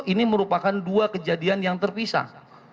ini merupakan dua kejadian yang terpisah